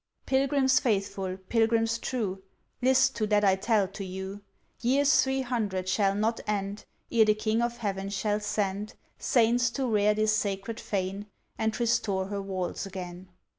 "Pilgrims faithful, Pilgrims true, List to that I tell to you. Years three hundred shall not end, Ere the King of Heaven shall send, Saints to rear this sacred fane, And restore her walls again.